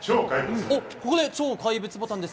ここで超怪物ボタンです。